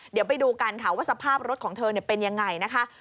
เดี๋ยวไปดูกันค่ะว่าสภาพรถของเธอเป็นยังไงนะคะ